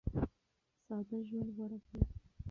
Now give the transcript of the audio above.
ساده ژوند غوره کړئ.